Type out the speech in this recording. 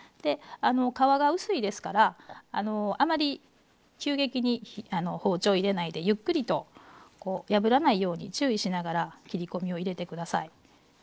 皮が薄いですからあまり急激に包丁を入れないでゆっくりと破らないように注意しながら切り込みを入れて下さい。